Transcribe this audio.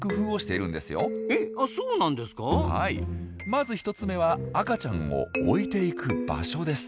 まず１つ目は赤ちゃんを置いていく場所です。